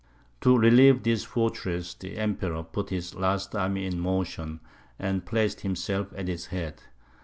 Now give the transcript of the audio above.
To relieve this fortress, the Emperor put his last army in motion, and placed himself at its head.